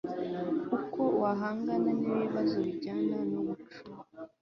uko wahangana n ibibazo bijyana no gucura